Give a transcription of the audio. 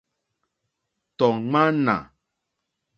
Tɔ̀ ŋmánà.